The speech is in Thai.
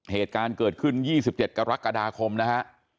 เหตุการณ์เกิดขึ้น๒๗กรกฎาคมนะฮะ